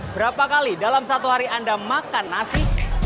berapa kali dalam satu hari anda makan nasi